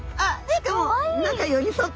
しかも何か寄り添って。